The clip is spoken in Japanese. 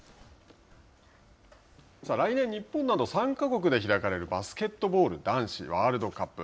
来年日本など３か国で開かれるバスケットボール男子ワールドカップ。